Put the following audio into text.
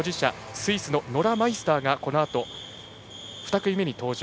スイスのノラ・マイスターがこのあと２組目に登場。